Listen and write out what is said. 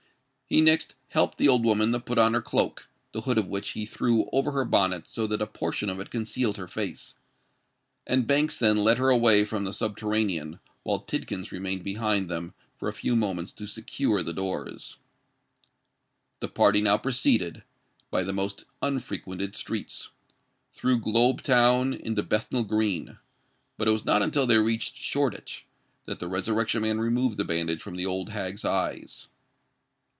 He next helped the old woman to put on her cloak, the hood of which he threw over her bonnet so that a portion of it concealed her face; and Banks then led her away from the subterranean, while Tidkins remained behind them for a few moments to secure the doors. The party now proceeded, by the most unfrequented streets, through Globe Town into Bethnal Green; but it was not until they reached Shoreditch, that the Resurrection Man removed the bandage from the old hag's eyes.